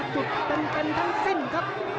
จุดเต็มทั้งสิ้นครับ